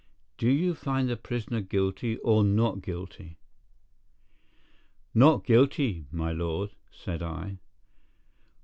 Do you find the prisoner guilty or not guilty?" "Not guilty, my lord," said I.